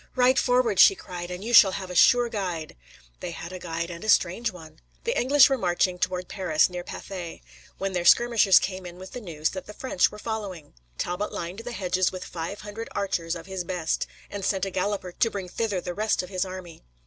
"Ride forward," she cried, "and you shall have a sure guide." They had a guide, and a strange one. The English were marching toward Paris, near Pathay, when their skirmishers came in with the news that the French were following. Talbot lined the hedges with five hundred archers of his best, and sent a galloper to bring thither the rest of his army.